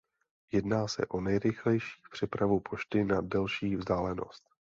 Jedná se o nejrychlejší přepravu pošty na delší vzdálenosti.